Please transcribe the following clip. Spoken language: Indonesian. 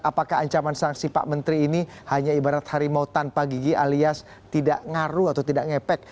apakah ancaman sanksi pak menteri ini hanya ibarat harimau tanpa gigi alias tidak ngaruh atau tidak ngepek